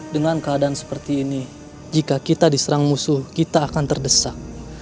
dengan keadaan seperti ini jika kita diserang musuh kita akan terdesak